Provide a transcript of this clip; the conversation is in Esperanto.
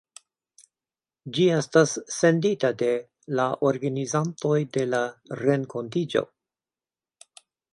Ĝi estas sendita de la organizantoj de la renkontiĝo.